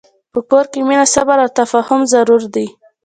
په کور کې مینه، صبر، او تفاهم ضرور دي.